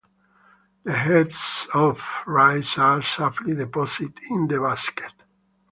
The heads of rice are safely deposited in the basket.